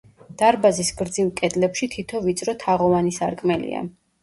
დარბაზის გრძივ კედლებში თითო ვიწრო თაღოვანი სარკმელია.